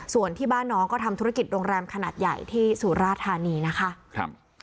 ส่วนที่บ้านน้องก็ทำธุรกิจโรงแรมขนาดใหญ่ที่สุราธานีนะคะ